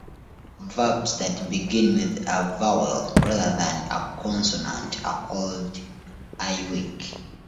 Verbs that begin with a vowel rather than a consonant are called I-weak.